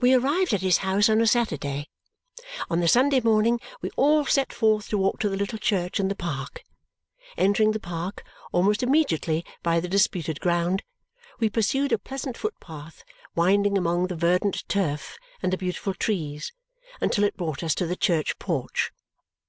We arrived at his house on a Saturday. On the Sunday morning we all set forth to walk to the little church in the park. Entering the park, almost immediately by the disputed ground, we pursued a pleasant footpath winding among the verdant turf and the beautiful trees until it brought us to the church porch.